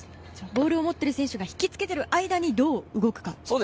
ボールを持っている選手がひきつけている間にどう動くかと。